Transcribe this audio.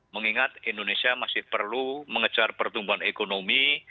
mengingat indonesia masih perlu mengejar pertumbuhan ekonomi